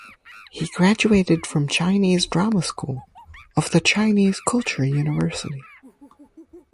He graduated from Chinese drama school of the Chinese Culture University.